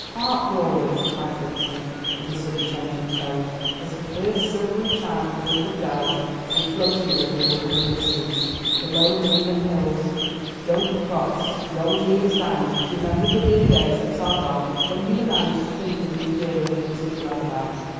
Hark, Rorie!" cried Vixen, with a sudden change of tone, as the first silvery chime of Ringwood bells came floating over the woodland distance the low moon lit hills; "don't be cross. The old year is dying. Remember the dear days that are gone, when you and I used to think a new year a thing to be glad about.